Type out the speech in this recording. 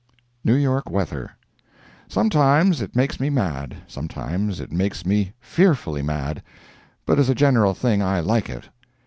NEW YORK WEATHER Sometimes it makes me mad—sometimes it makes me fearfully mad—but as a general thing, I like it.